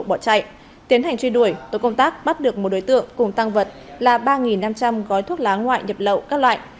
bỏ chạy tiến hành truy đuổi tối công tác bắt được một đối tượng cùng tăng vật là ba năm trăm linh gói thuốc lá ngoại nhập lậu các loại